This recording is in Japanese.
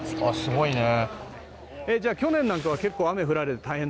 すごいね。